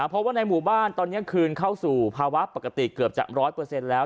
เพราะว่าในหมู่บ้านตอนนี้คืนเข้าสู่ภาวะปกติเกือบจะ๑๐๐แล้ว